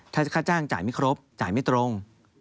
ถ้าค่าจ้างจ่ายไม่ครบจ่ายไม่ตรง